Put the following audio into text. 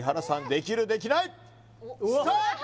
できるできないスタート！